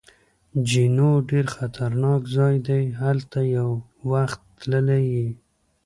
جینو: ډېر خطرناک ځای دی، هلته یو وخت تللی یې؟